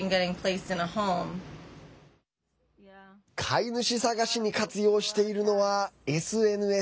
飼い主探しに活用しているのはＳＮＳ。